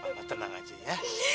mama tenang aja ya